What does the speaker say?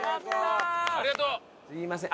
すいません。